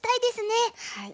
はい。